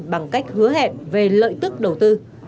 bằng cách hứa hẹn về lợi tức đầu tư